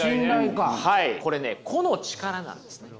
これね個の力なんですね。